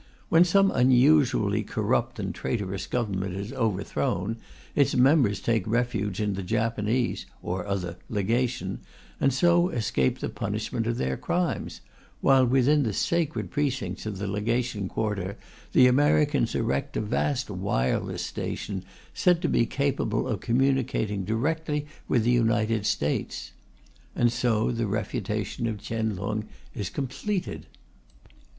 When some unusually corrupt and traitorous Government is overthrown, its members take refuge in the Japanese (or other) Legation and so escape the punishment of their crimes, while within the sacred precincts of the Legation Quarter the Americans erect a vast wireless station said to be capable of communicating directly with the United States. And so the refutation of Chien Lung is completed.